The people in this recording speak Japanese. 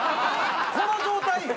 この状態よ。